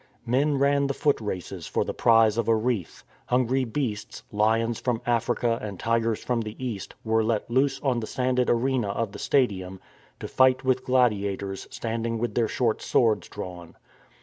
Men ran the foot races for the prize of a wreath. Hungry beasts — lions from Africa and tigers from the East — were let loose on the sanded arena of the stadium to fight with gladiators standing with their short swords drawn.